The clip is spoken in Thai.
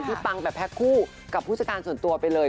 ปังแบบแพ็คคู่กับผู้จัดการส่วนตัวไปเลย